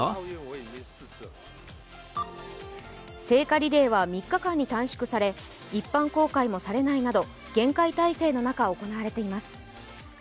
聖火リレーは３日間に短縮され一般公開もされないなど厳戒態勢の中、行われています。